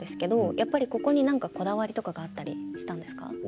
やっぱりここに何かこだわりとかがあったりしたんですか？